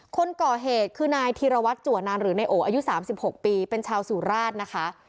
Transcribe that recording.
คนก่อเหตุคือนายธีรวัตรจัวนานหรือนายโออายุ๓๖ปีเป็นชาวสุราชนะคะ